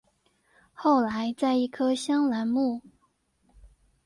后来在一棵香兰木。